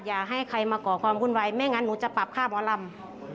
อย่าให้ใครมาก่อความบุญไวไม่อย่างนั้นหนูจะปรับฆ่าหมอลำ